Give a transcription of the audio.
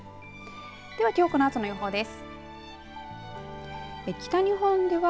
では、きょうこのあとの予報です。